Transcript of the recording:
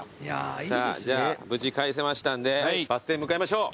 さあじゃ無事返せましたんでバス停へ向かいましょう。